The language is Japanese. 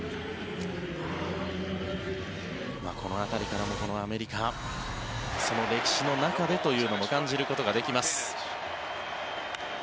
この辺りからもこのアメリカその歴史の中でというのも感じることができます。